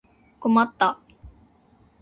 困った